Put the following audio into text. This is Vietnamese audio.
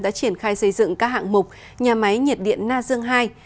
đã triển khai xây dựng các hạng mục nhà máy nhiệt điện na dương ii